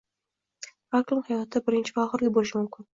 Har kuni hayotda birinchi va oxirgi bo'lishi mumkin.